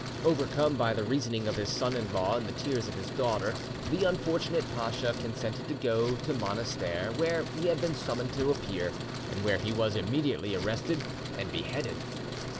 Overcome by the reasoning of his son in law and the tears of his daughter, the unfortunate pacha consented to go to Monastir, where he had been summoned to appear, and where he was immediately arrested and beheaded.